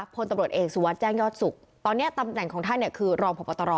พลตำรวจเอกสุวัสดิแจ้งยอดสุขตอนนี้ตำแหน่งของท่านเนี่ยคือรองพบตร